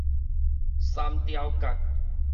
三貂角